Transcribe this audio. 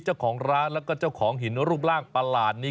เจ้าของร้านแล้วก็เจ้าของหินรูปร่างประหลาดนี้